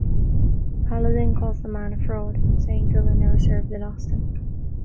Paladin calls the man a fraud, saying Dillon never served in Austin.